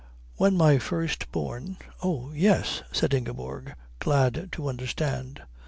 "When my first born " "Oh, yes," said Ingeborg, glad to understand.